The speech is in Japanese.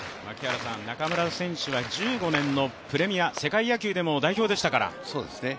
中村選手は１５年のプレミア、世界野球でも代表でしたから。